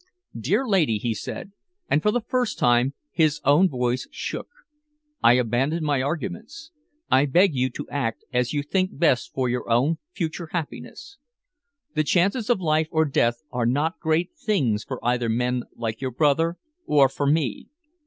"Dear lady," he said, and for the first time his own voice shook, "I abandon my arguments. I beg you to act as you think best for your own future happiness. The chances of life or death are not great things for either men like your brother or for me.